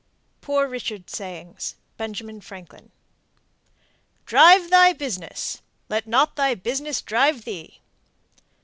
POOR RICHARD'S SAYINGS. (Benjamin Franklin.) Drive thy business! Let not thy business drive thee!